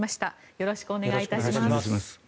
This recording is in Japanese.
よろしくお願いします。